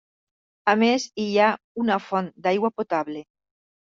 A més, hi ha una font d’aigua potable.